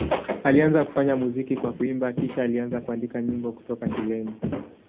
Alianza kufanya muziki kwa kuimba, kisha alianza kuandika nyimbo kutoka shuleni.